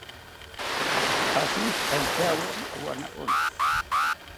Ashintzitantyawori owanawontzi